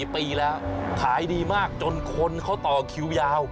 ปีแล้วขายดีมากจนคนเขาต่อคิวยาว